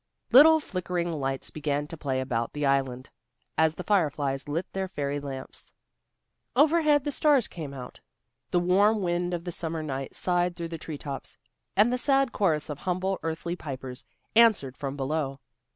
Little flickering lights began to play about the island, as the fire flies lit their fairy lamps. Overhead the stars came out. The warm wind of the summer night sighed through the treetops, and the sad chorus of humble earthly pipers answered from below.